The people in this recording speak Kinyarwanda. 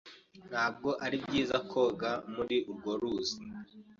Ntabwo ari byiza koga muri urwo ruzi.